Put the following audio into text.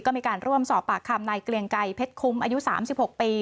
ก็มีการร่วมสอบปากคำในเกลียงไกรเพชรคุ้มอายุ๓๖ปี